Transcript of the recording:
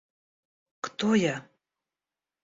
Кто я?